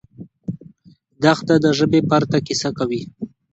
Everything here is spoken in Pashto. دښته د ژبې پرته کیسه کوي.